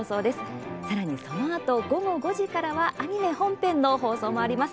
さらに、そのあと午後５時からアニメ本編の放送もあります。